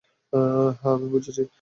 হ্যাঁ, আমি বুঝেছি।